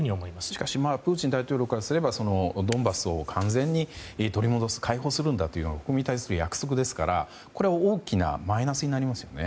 しかしプーチン大統領からすればドンバスを完全に取り戻す、解放するんだというのは約束ですから、これは大きなマイナスになりますよね。